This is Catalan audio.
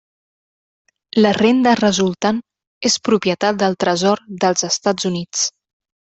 La renda resultant és propietat del Tresor dels Estats Units.